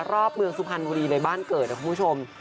รอบเมืองสุพรรณบุรีในบ้านเกิดนะคุณผู้ชม